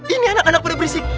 ini anak anak paling berisik